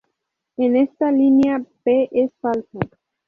En esta línea, p es falsa.